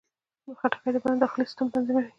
خټکی د بدن داخلي سیستم تنظیموي.